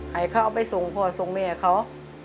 หายข้าวไปส่งพ่อส่งแม่เขา